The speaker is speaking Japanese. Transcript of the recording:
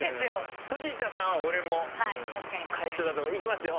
藤田さんは俺も楷書だといきますよ